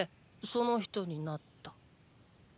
その人になった。